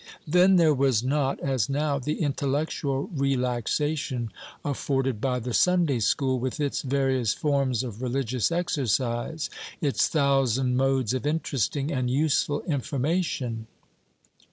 Then there was not, as now, the intellectual relaxation afforded by the Sunday school, with its various forms of religious exercise, its thousand modes of interesting and useful information.